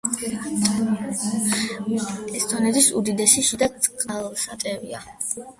ესტონეთის უდიდესი შიდა წყალსატევია.